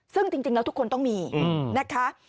ซึ่งจริงแล้วทุกคนต้องมีนะคะ